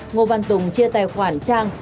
ngô văn tùng chia tài khoản trang